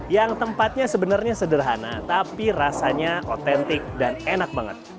yang tempatnya sebenarnya sederhana tapi rasanya otentik dan enak banget